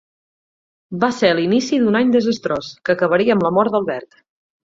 Va ser l'inici d'un any desastrós, que acabaria amb la mort d'Albert.